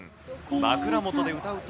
枕もとで歌うと。